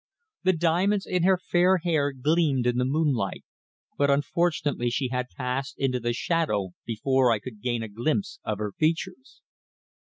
The diamonds in her fair hair gleamed in the moonlight, but unfortunately she had passed into the shadow before I could gain a glimpse of her features.